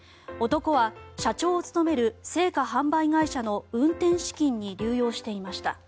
男は社長を務める生花販売会社の運転資金に流用していました。